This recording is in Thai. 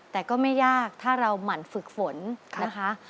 แต่ก็ไม่ยากถ้าเราหมั่นฝึกฝนนะคะ